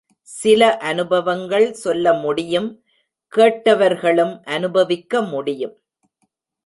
சில அநுபவங்கள் சொல்ல முடியும் கேட்டவர்களும் அநுபவிக்க முடியும்.